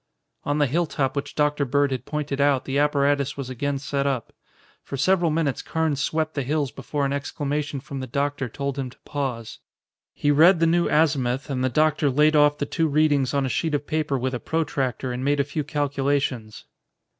On the hilltop which Dr. Bird had pointed out the apparatus was again set up. For several minutes Carnes swept the hills before an exclamation from the doctor told him to pause. He read the new azimuth, and the doctor laid off the two readings on a sheet of paper with a protractor and made a few calculations.